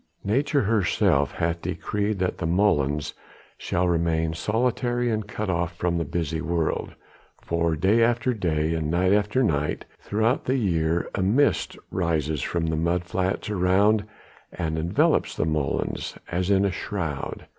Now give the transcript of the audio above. Nature herself hath decreed that the molens shall remain solitary and cut off from the busy world, for day after day and night after night throughout the year a mist rises from the mud flats around and envelops the molens as in a shroud.